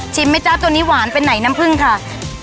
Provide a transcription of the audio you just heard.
ไหมจ๊ะตัวนี้หวานไปไหนน้ำผึ้งค่ะ